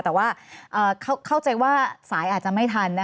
แต่ว่าเข้าใจว่าสายอาจจะไม่ทัน